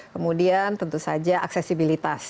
kemudian tentu saja aksesibilitas